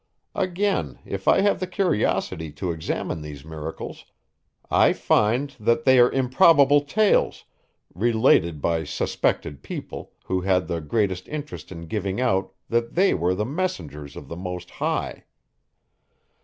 Again, if I have the curiosity to examine these miracles, I find, that they are improbable tales, related by suspected people, who had the greatest interest in giving out that they were the messengers of the Most High.